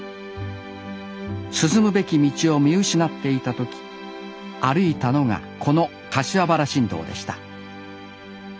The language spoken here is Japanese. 進むべき道を見失っていた時歩いたのがこの柏原新道でした